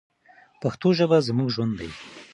پښتو ژبه زموږ ژوند دی.